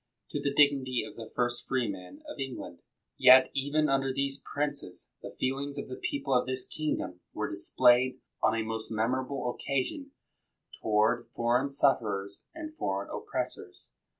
to the dignity of the first freemen of England; yet even under these princes, the feelings of the people of this kingdom were dis played, on a most memorable occasion, toward foreign sufferers and foreign oppressors.